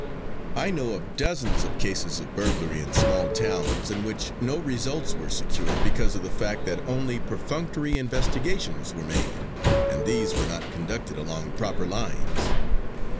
I know of dozens of cases of burglary in small towns in which no results were secured because of the fact that only perfunctory investigations were made, and these were not conducted along proper lines.